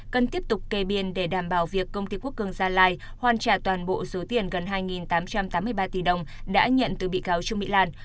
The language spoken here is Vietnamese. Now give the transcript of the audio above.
cần tiếp tục kê biên để đảm bảo việc công ty quốc cường gia lai hoàn trả toàn bộ số tiền gần hai tám trăm tám mươi ba tỷ đồng đã nhận từ bị cáo trương mỹ lan